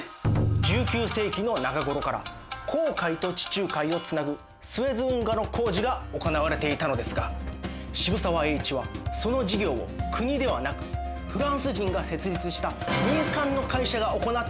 １９世紀の中頃から紅海と地中海をつなぐスエズ運河の工事が行われていたのですが渋沢栄一はその事業を国ではなくフランス人が設立した民間の会社が行っていることに驚きました。